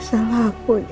sama pak chandra